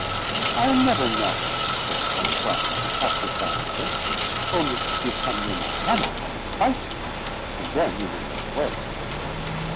"I am never naughty," she said, half crossly, half defiantly; "only if you come near my hammock, I will bite you, and then you will go away."